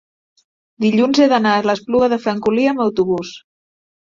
dilluns he d'anar a l'Espluga de Francolí amb autobús.